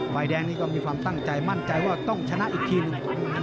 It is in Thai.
แดงนี่ก็มีความตั้งใจมั่นใจว่าต้องชนะอีกทีหนึ่ง